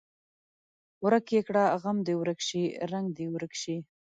ورک یې کړه غم دې ورک شي رنګ دې یې ورک شي.